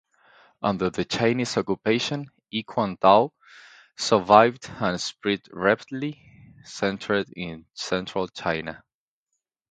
Under the Japanese occupation, I-Kuan Tao survived and spread rapidly, centered in Central China.